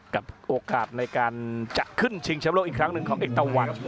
โอกาสในการจะขึ้นชิงแชมป์โลกอีกครั้งหนึ่งของเอกตะวัน